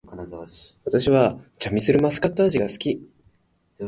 私はチャミスルマスカット味が好き